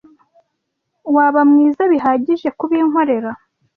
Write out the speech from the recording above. Waba mwiza bihagije kubinkorera?